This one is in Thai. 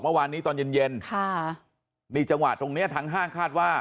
เมื่อวานนี้ตอนเย็นเย็นค่ะนี่จังหวะตรงเนี้ยทางห้างคาดว่า